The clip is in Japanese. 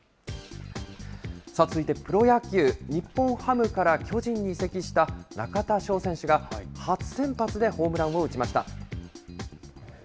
続いてプロ野球、日本ハムから巨人に移籍した中田翔選手が、初先発でホームランを打ちました。